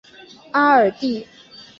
阿尔蒂。